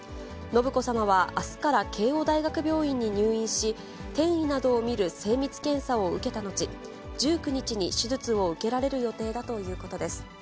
信子さまは、あすから慶応大学病院に入院し、転移などを見る精密検査を受けたのち、１９日に手術を受けられる予定だということです。